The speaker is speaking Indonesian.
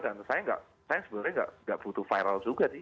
dan saya sebenarnya tidak butuh viral juga sih